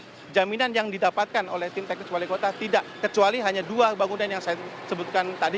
karena jaminan yang didapatkan oleh tim teknis wali kota tidak kecuali hanya dua bangunan yang saya sebutkan tadi